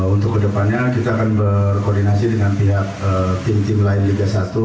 untuk kedepannya kita akan berkoordinasi dengan pihak tim tim lain liga satu